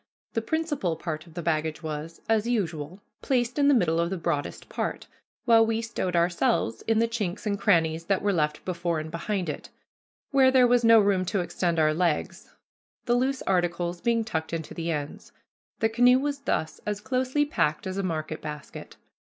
The principal part of the baggage was, as usual, placed in the middle of the broadest part, while we stowed ourselves in the chinks and crannies that were left before and behind it, where there was no room to extend our legs, the loose articles being tucked into the ends. The canoe was thus as closely packed as a market basket.